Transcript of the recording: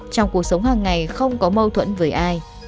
trong cuộc sống hàng ngày không có mâu thuẫn với ai